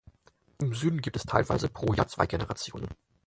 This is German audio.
Im Süden gibt es teilweise pro Jahr zwei Generationen.